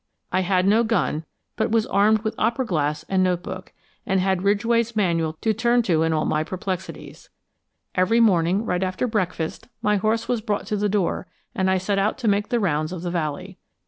I had no gun, but was armed with opera glass and note book, and had Ridgway's Manual to turn to in all my perplexities. Every morning, right after breakfast, my horse was brought to the door and I set out to make the rounds of the valley.